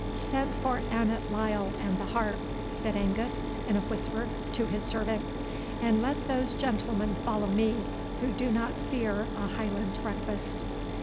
"Send for Annot Lyle, and the harp," said Angus, in a whisper, to his servant; "and let those gentlemen follow me who do not fear a Highland breakfast."